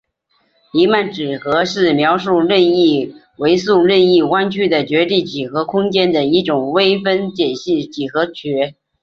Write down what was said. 黎曼几何是描述任意维数任意弯曲的绝对几何空间的一种微分解析几何学。